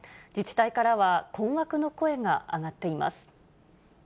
自治体からは困惑の声が上がっています。